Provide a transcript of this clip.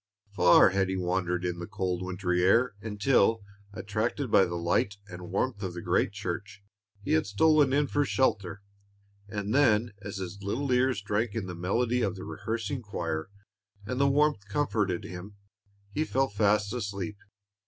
Far had he wandered in the cold wintry air, until, attracted by the light and warmth of the great church, he had stolen in for shelter, and then as his little ears drank in the melody of the rehearsing choir, and the warmth comforted him, he fell fast asleep.